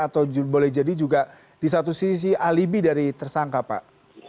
atau boleh jadi juga di satu sisi alibi dari tersangka pak